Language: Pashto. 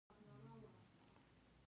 خو نن د بانکونو دنده بدله شوې ده